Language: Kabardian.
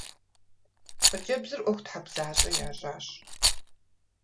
Хъыджэбзыр ӀуэхутхьэбзащӀэ ящӀащ.